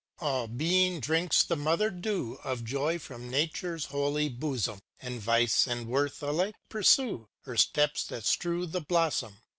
All being drinks the mother dew Of joy from Nature's holy bosom; And Vice and Worth alike pursue Her steps that strew the blossom.